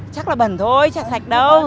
chắc là bẩn thôi chả thạch đâu